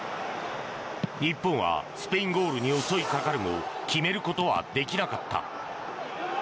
日本はスペインゴールに襲いかかるも決めることはできなかった。